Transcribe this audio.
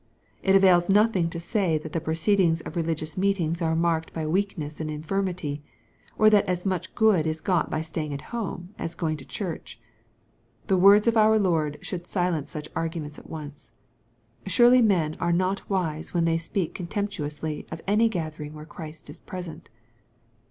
It avails nothing to say that the proceedings of religious meetings are marked by weakness and infirmity, or that as much good is got by staying at home as going to church. The words of our Lord should silence such arguments at once. Surely men are not wise when they speak contemptu ously of any gathering where Christ is present.